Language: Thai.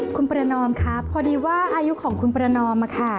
คุณประนอมครับพอดีว่าอายุของคุณประนอมค่ะ